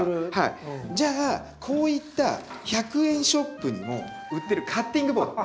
じゃあこういった１００円ショップにも売ってるカッティングボード。